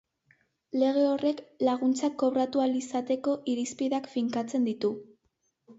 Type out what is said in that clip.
Lege horrek laguntzak kobratu ahal izateko irizpideak finkatzen ditu.